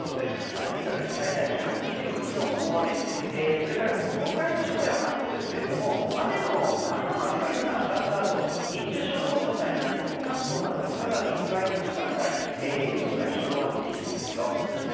あすにかけて最大１２０ミリの大雨それから東海地方や関東ですけれども雨の朝の雨がいったん上がった後日中、小康状態になっても関東などは再びお帰りの時間帯雨域が広がっていきそうですよ。